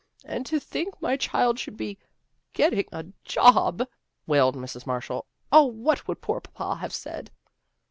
" And to think that my child should be getting a job," wailed Mrs. Mar shall. " 0, what would poor papa have said?